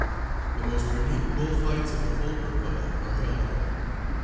The most unique bull fights of the whole Republic are held here.